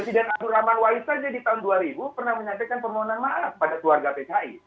presiden abdul rahman waisah di tahun dua ribu pernah menyampaikan permohonan maaf kepada keluarga pki